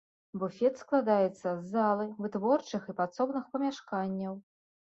Буфет складаецца з залы, вытворчых і падсобных памяшканняў.